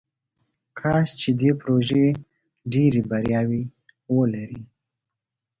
کاش چې دې پروژې ډیرې بریاوې ولري.